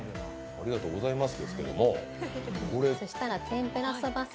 ありがとうございます。